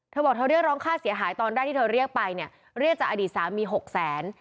เธอบอกเธอเรียกร้องค่าเสียหายตอนแรกที่เธอเรียกไปเนี่ยเรียกจากอดีตสามี๖แสน